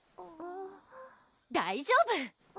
大丈夫！